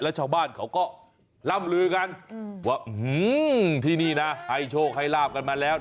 แล้วชาวบ้านเขาก็ล่ำลือกันว่าที่นี่นะให้โชคให้ลาบกันมาแล้ว